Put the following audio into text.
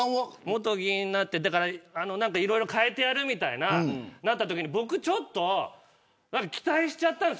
もっと、議員になっていろいろ変えてやるみたいになったときにちょっと期待しちゃったんです。